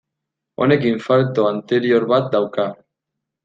Honek infarto anterior bat dauka.